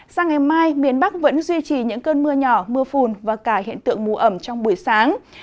sang ngày mai miền bắc vẫn duy trì những cơn mưa nhỏ mưa phùn và cả hiện tượng mù ẩm trong buổi sáng